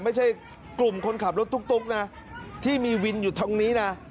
ไม่ใช่กลุ่มคนขับรถตุ๊กนะที่มีวินอยู่ทางนี้นะ